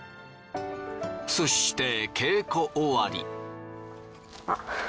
そして稽古終わり。